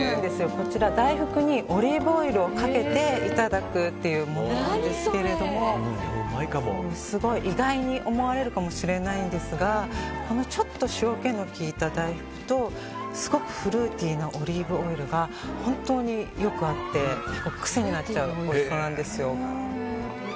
大福にオリーブオイルをかけていただくというものなんですけどすごい意外に思われるかもしれないんですがちょっと塩気のきいた大福とすごくフルーティーなオリーブオイルが本当によく合って癖になっちゃうおいしさなんです。